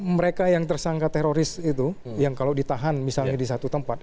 mereka yang tersangka teroris itu yang kalau ditahan misalnya di satu tempat